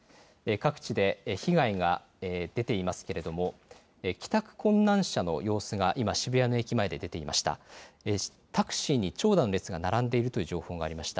各地で被害が出ていますけれども帰宅困難者の様子が今、渋谷の駅前で出ていました。